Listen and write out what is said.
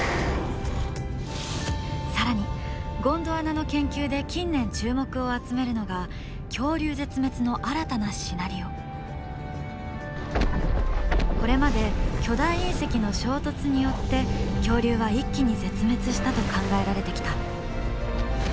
更にゴンドワナの研究で近年注目を集めるのがこれまで巨大隕石の衝突によって恐竜は一気に絶滅したと考えられてきた。